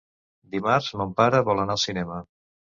Dimarts mon pare vol anar al cinema.